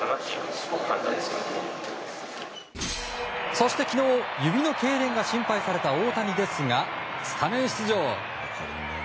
そして昨日指のけいれんが心配された大谷ですが、スタメン出場。